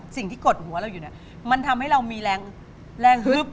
กดหัวเราอยู่เนี่ยมันทำให้เรามีแรงฮึบ